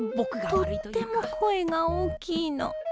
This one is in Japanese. とっても声が大きいの。